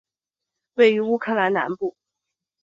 位于乌克兰南部。